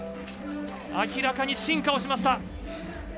明らかに進化をしました。